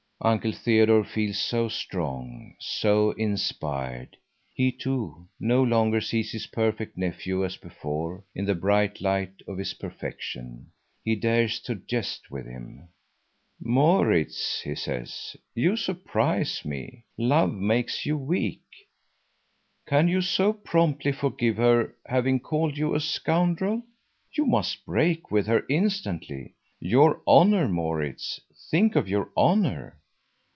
Uncle Theodore feels so strong, so inspired. He, too, no longer sees his perfect nephew as before in the bright light of his perfection. He dares to jest with him. "Maurits," he says, "you surprise me. Love makes you weak. Can you so promptly forgive her having called you a scoundrel? You must break with her instantly. Your honor, Maurits, think of your honor!